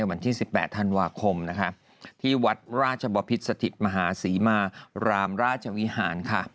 วันที่๑๘ธันวาคมนะคะที่วัดราชบพิษสถิตมหาศรีมารามราชวิหารค่ะ